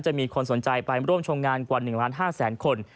จะมีคนสนใจไปร่วมชมงานกว่า๑๕๐๐๐๐๐คน